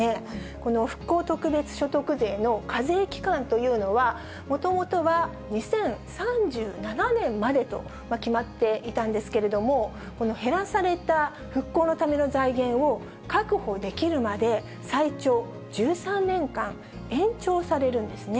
この復興特別所得税の課税期間というのは、もともとは２０３７年までと決まっていたんですけれども、この減らされた復興のための財源を確保できるまで、最長１３年間、延長されるんですね。